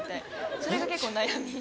それが結構悩み。